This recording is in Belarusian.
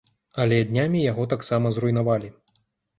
Але днямі яго таксама зруйнавалі.